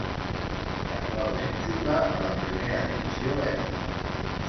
Actualment juga a la primera divisió belga.